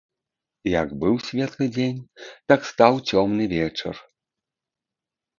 Як быў светлы дзень, так стаў цёмны вечар.